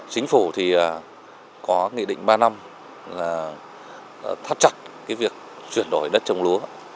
chính phủ có nghị định ba năm là thắt chặt việc chuyển đổi đất trồng lúa